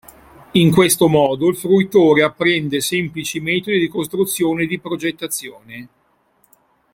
In questo modo il fruitore apprende semplici metodi di costruzione e di progettazione.